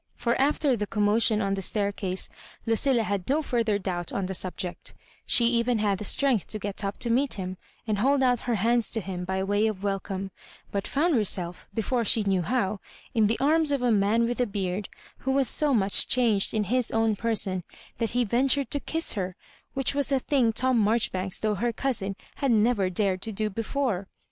For after the commotion on the staircase Lu cilla had no further doubt on the subject She even had the strength to get up to meet him, and hold out her hands to him by way of wel come—but found herself, before she knew how, in the arms of a man with a beard, who was so much changed in his own person that he ven tured to kiss her, which was a thing Tom Mar joribanks^ though her cousin, had never dsjred to do before.